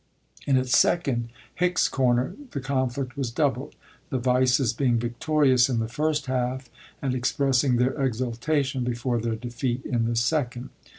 In its second (Hickscomer) the confiict was doubled, the Vices being victorious in the first half and expressing their exultation before their defeat in the second.